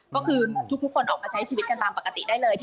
ก็คือทุกคนออกมาใช้ชีวิตกันตามปกติได้เลย